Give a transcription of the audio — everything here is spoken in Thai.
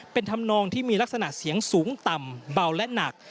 เป็นธรรมนองที่มีลักษณะเสียงสูงต่ำเบาและหนัก